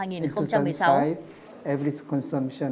tổng lượng tiêu thụ đồ uống có cồn